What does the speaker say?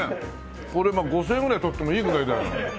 これ５０００円ぐらい取ってもいいぐらいだよ。